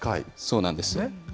そうなんです。